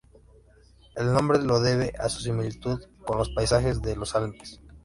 El nombre lo debe a su similitud con los paisajes de los Alpes.